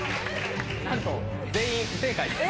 なんと、全員不正解です。